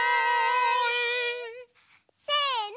せの。